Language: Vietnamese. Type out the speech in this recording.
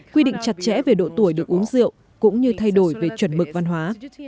quy định chặt chẽ về độ tuổi được uống rượu cũng như thay đổi về chuẩn mực văn hóa